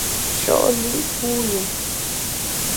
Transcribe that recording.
Sho’ li’ puyùm !